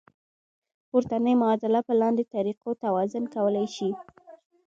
پورتنۍ معادله په لاندې طریقو توازن کولی شئ.